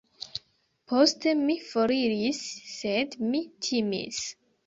Poste mi foriris, sed mi timis.